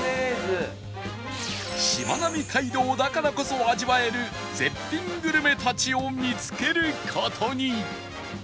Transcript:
しまなみ海道だからこそ味わえる絶品グルメたちを見つける事に